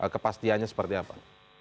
kepastiannya seperti apa